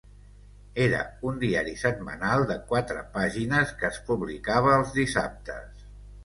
Era un diari setmanal de quatre pàgines que es publicava els dissabtes.